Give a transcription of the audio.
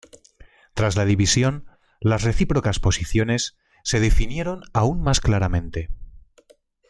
Tras la división, las recíprocas posiciones se definieron aún más claramente.